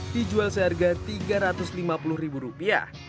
dijual seharga rp tiga ratus lima puluh